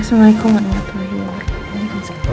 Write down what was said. assalamualaikum warahmatullahi wabarakatuh